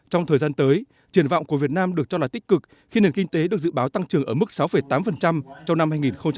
trong thời gian tới triển vọng của việt nam được cho là tích cực khi nền kinh tế được dự báo tăng trưởng ở mức sáu tám trong năm hai nghìn hai mươi